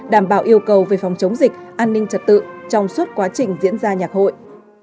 đảm bảo yêu cầu về phòng chống dịch an ninh trật tự trong suốt quá trình diễn ra nhạc hội